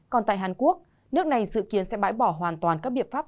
còn tại hàn quốc nước này dự kiến sẽ bãi bỏ hoàn toàn các biện pháp